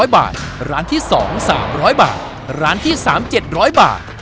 ๐บาทร้านที่๒๓๐๐บาทร้านที่๓๗๐๐บาท